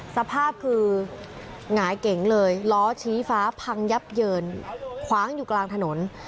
สภาพคือหงายเก๋งเลยล้อชี้ฟ้าพังยับเยินคว้างอยู่กลางถนน